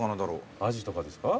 アジとかですか？